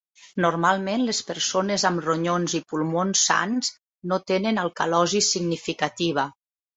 Normalment, les persones amb ronyons i pulmons sans no tenen alcalosi significativa.